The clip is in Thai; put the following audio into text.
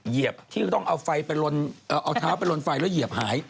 เหยียบที่ต้องเอาไฟไปเอาเท้าไปลนไฟแล้วเหยียบหาย